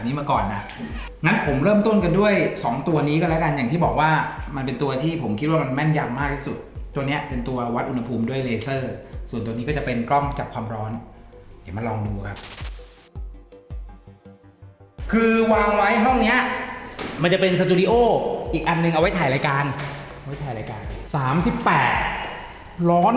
อีกอันนึงเอาไว้ถ่ายรายการเอาไว้ถ่ายรายการสามที่แปดร้อน